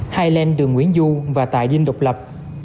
highland đường nguyễn du và tại dinh độc lập